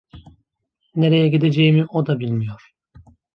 Nereye gideceğimi o da bilmiyor.